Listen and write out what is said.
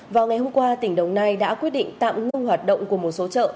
vào ngày hôm qua tỉnh đồng nai đã quyết định tạm ngưng hoạt động của một số chợ